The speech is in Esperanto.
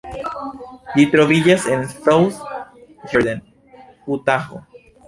Ĝi troviĝas en South Jordan, Utaho.